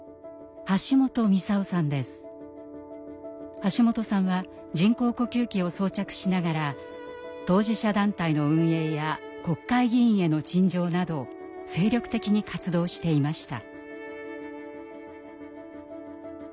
橋本さんは人工呼吸器を装着しながら当事者団体の運営や国会議員への陳情など精力的に活動していました。